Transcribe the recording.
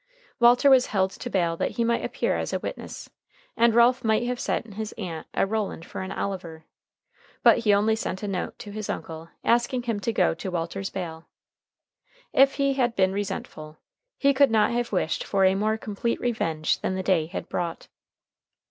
Walter was held to bail that he might appear as a witness, and Ralph might have sent his aunt a Roland for an Oliver. But he only sent a note to his uncle, asking him to go Walter's bail. If he had been resentful, he could not have wished for a more complete revenge than the day had brought.